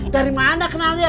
dari mana kenalnya